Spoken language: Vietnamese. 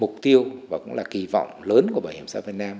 mục tiêu và cũng là kỳ vọng lớn của bảo hiểm xã hội việt nam